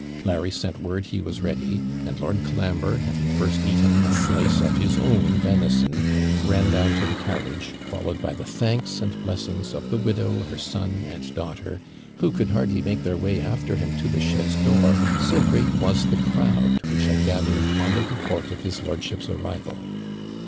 Larry sent word he was ready, and Lord Colambre, having first eaten a slice of his own venison, ran down to the carriage, followed by the thanks and blessings of the widow, her son, and daughter, who could hardly make their way after him to the chaise door, so great was the crowd which had gathered on the report of his lordship's arrival.